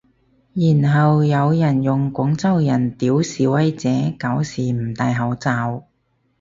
然後有人用廣州人屌示威者搞事唔戴口罩